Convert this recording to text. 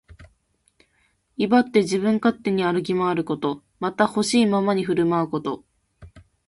威張って自分勝手に歩き回ること。また、ほしいままに振る舞うこと。